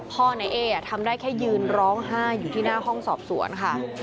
ในเอ๊ทำได้แค่ยืนร้องไห้อยู่ที่หน้าห้องสอบสวนค่ะ